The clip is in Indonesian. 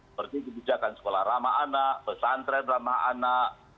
seperti kebijakan sekolah ramah anak pesantren ramah anak